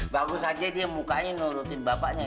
bagus aja dia mukanya nurutin bapaknya